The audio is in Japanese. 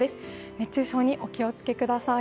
熱中症にお気をつけください。